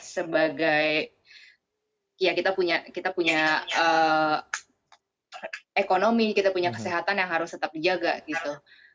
sebagai ya kita punya ekonomi kita punya kesehatan yang harus tetap dijaga gitu